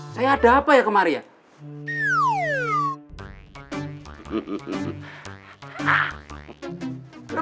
saya ada apa ya kemarin ya